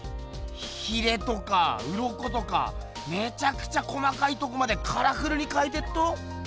ヒレとかウロコとかめちゃくちゃ細かいとこまでカラフルにかいてっと。